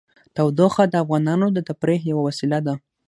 تودوخه د افغانانو د تفریح یوه وسیله ده.